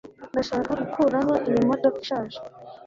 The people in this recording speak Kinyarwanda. ndashaka gukuraho iyi modoka ishaje